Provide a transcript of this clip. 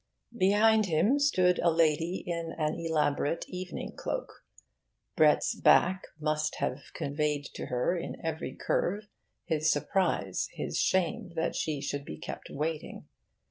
Behind him stood a lady in an elaborate evening cloak. Brett's back must have conveyed to her in every curve his surprise, his shame, that she should be kept waiting.